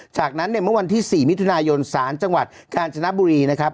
จากนั้นเนี่ยเมื่อวันที่๔มิถุนายนศาลจังหวัดกาญจนบุรีนะครับ